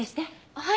はい。